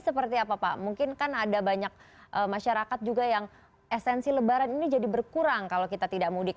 seperti apa pak mungkin kan ada banyak masyarakat juga yang esensi lebaran ini jadi berkurang kalau kita tidak mudik